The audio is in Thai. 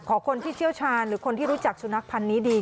คนที่เชี่ยวชาญหรือคนที่รู้จักสุนัขพันธ์นี้ดี